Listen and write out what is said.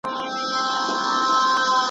لا یې ستوني ته نغمه نه وه راغلې ,